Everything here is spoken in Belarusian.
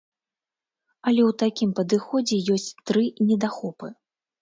Але ў такім падыходзе ёсць тры недахопы.